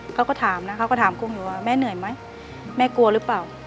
เขาก็ถามนะเขาก็ถามกุ้งอยู่ว่าแม่เหนื่อยไหมแม่กลัวหรือเปล่า